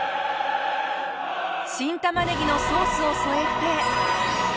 新たまねぎのソースを添えて。